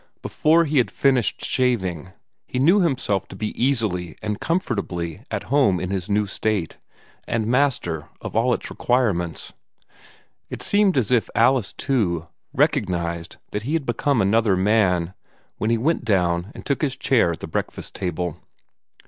Before he had finished shaving, he knew himself to be easily and comfortably at home in his new state, and master of all its requirements. It seemed as if Alice, too, recognized that he had become another man, when he went down and took his chair at the breakfast table.